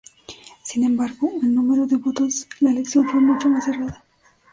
Sin embargo, en número de votos, la elección fue mucho más cerrada.